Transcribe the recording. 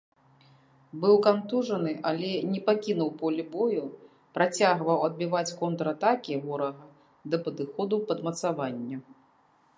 Быў кантужаны, але не пакінуў поле бою, працягваў адбіваць контратакі ворага да падыходу падмацавання.